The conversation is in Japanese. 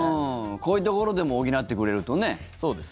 こういうところでも補ってくれるとね。